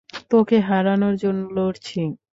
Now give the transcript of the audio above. তোকে হারানোর জন্য লড়ছি!